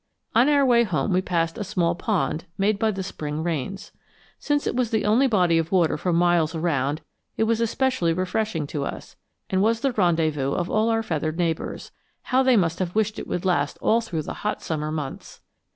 On our way home we passed a small pond made by the spring rains. Since it was the only body of water for miles around, it was especially refreshing to us, and was the rendezvous of all our feathered neighbors how they must have wished it would last all through the hot summer months!